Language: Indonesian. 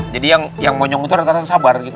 jadi yang mau nyungut tuh rata rata sabar gitu